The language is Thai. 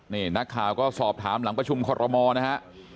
นี่นักข่าวก็สอบถามหลังประชุมคอรมอลนะฮะ